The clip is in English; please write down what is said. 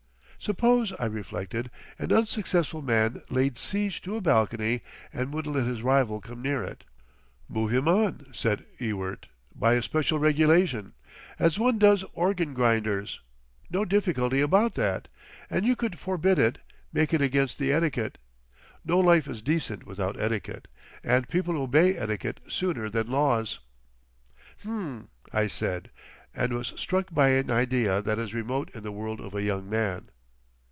"Suppose," I reflected, "an unsuccessful man laid siege to a balcony and wouldn't let his rival come near it?" "Move him on," said Ewart, "by a special regulation. As one does organ grinders. No difficulty about that. And you could forbid it—make it against the etiquette. No life is decent without etiquette.... And people obey etiquette sooner than laws..." "H'm," I said, and was struck by an idea that is remote in the world of a young man.